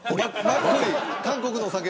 韓国のお酒